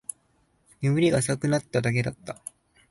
眠りが浅くなっただけだった